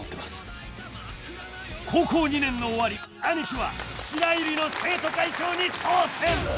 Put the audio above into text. ［高校２年の終わりアニキは白百合の生徒会長に当選！］